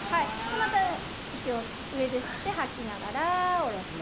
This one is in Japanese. また息を上で吸って吐きながら下ろして。